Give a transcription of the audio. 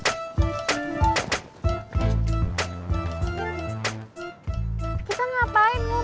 tapi sekarang saya udah tahu alamat barunya nggak usah mas kenapa saya udah